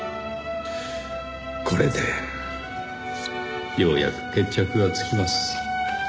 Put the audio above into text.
これでようやく決着がつきます。